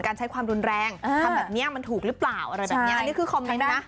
ใช้ความรุนแรงทำแบบนี้มันถูกหรือเปล่าอะไรแบบนี้อันนี้คือคอมเมนต์นะ